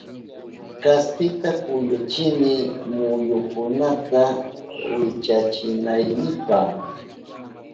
Kaspita kuyuchini muyunkunata wichachinaynipa